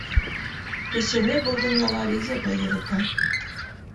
Кешене был донъяла ризығы йөрөтә.